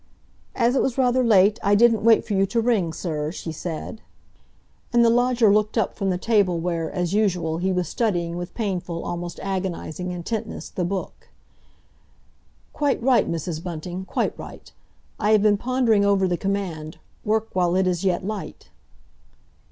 "As it was rather late, I didn't wait for you to ring, sir," she said. And the lodger looked up from the table where, as usual, he was studying with painful, almost agonising intentness, the Book. "Quite right, Mrs. Bunting—quite right! I have been pondering over the command, 'Work while it is yet light.